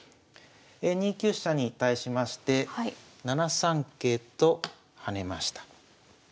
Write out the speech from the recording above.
２九飛車に対しまして７三桂と跳ねました。